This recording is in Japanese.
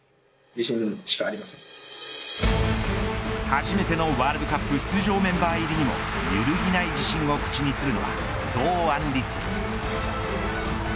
初めてのワールドカップ出場メンバー入りも揺るぎない自信を口にするのは堂安律。